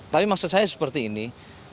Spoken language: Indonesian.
tapi maksud saya seperti ini